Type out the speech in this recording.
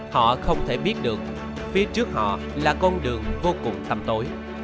họ không thể biết được phía trước họ là con đường vô cùng tâm tối